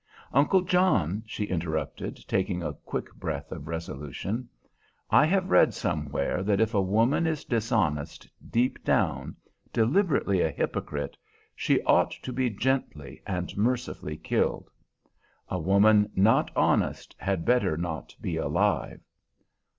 "Uncle John," she interrupted, taking a quick breath of resolution, "I have read somewhere that if a woman is dishonest, deep down, deliberately a hypocrite, she ought to be gently and mercifully killed; a woman not honest had better not be alive.